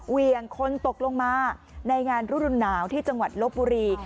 เหวี่ยงคนตกลงมาในงานรุนหนาวที่จังหวัดลบบุรี